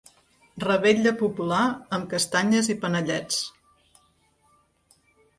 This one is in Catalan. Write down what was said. Revetlla popular amb castanyes i panellets.